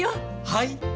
はい。